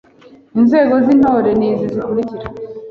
Inzego z’Intore ni izi zikurikira: